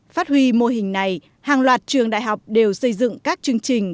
phát huy mô hình này hàng loạt trường đại học đều xây dựng các chương trình